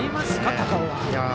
高尾は。